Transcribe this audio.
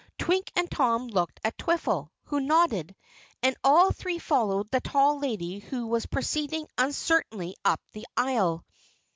Twink and Tom looked at Twiffle, who nodded, and all three followed the tall lady who was proceeding uncertainly up the aisle.